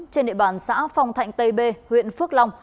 trên địa bàn xã phong thạnh tây b huyện phước long